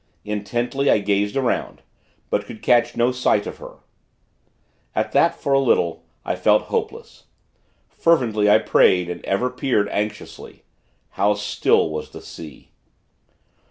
Intently, I gazed around; but could catch no sight of her. At that, for a little, I felt hopeless. Fervently, I prayed, and ever peered, anxiously.... How still was the sea!